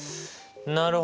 なるほど！